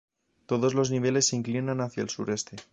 Todos los niveles se inclinan hacia el sureste.